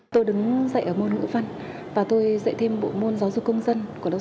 tôi đứng dạy ở môn ngữ văn và tôi dạy thêm bộ môn giáo dục công dân của lớp sáu